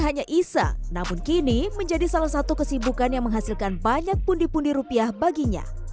hanya isa namun kini menjadi salah satu kesibukan yang menghasilkan banyak pundi pundi rupiah baginya